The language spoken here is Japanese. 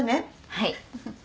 はい。